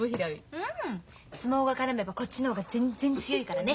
うん相撲が絡めばこっちの方が全然強いからね。